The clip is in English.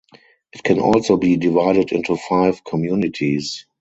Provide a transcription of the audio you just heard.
It can also be divided into five communities.